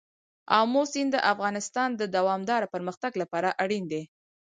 آمو سیند د افغانستان د دوامداره پرمختګ لپاره اړین دي.